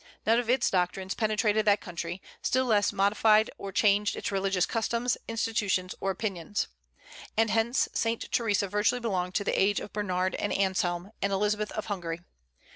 None of its doctrines penetrated that country, still less modified or changed its religious customs, institutions, or opinions. And hence Saint Theresa virtually belonged to the age of Bernard, and Anselm, and Elizabeth of Hungary.